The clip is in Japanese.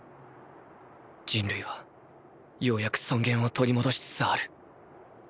人類はようやく尊厳を取り戻しつつある。